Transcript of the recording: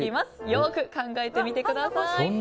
よく考えてみてください。